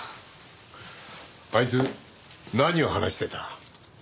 あいつ何を話してた？